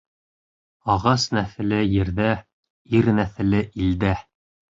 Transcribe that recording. Ағас нәҫеле ерҙә, ир нәҫеле илдә.